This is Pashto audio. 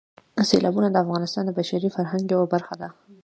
سیلابونه د افغانستان د بشري فرهنګ یوه برخه ده.